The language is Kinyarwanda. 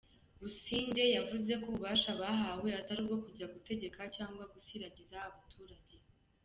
Busingye yavuze ko ububasha bahawe atari ubwo kujya gutegeka cyangwa gusiragiza abaturage.